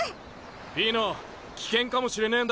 ピーノ危険かもしれねえんだ。